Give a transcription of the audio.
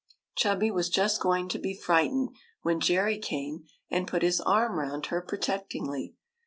Chubby was just going to be frightened, when Jerry came and put his arm round her protect ingly.